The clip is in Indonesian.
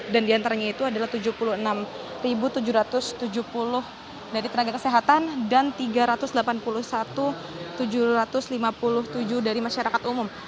dan di antaranya itu adalah tujuh puluh enam tujuh ratus tujuh puluh dari tenaga kesehatan dan tiga ratus delapan puluh satu tujuh ratus lima puluh tujuh dari masyarakat umum